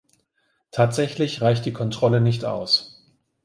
Tatsächlich reicht Kontrolle nicht aus.